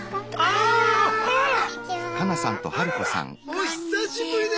お久しぶりで。